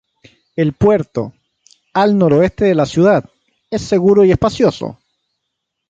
El puerto, al noreste de la ciudad, es seguro y espacioso.